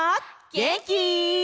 げんき？